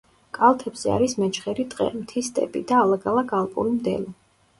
კალთებზე არის მეჩხერი ტყე, მთის სტეპი და ალაგ-ალაგ ალპური მდელო.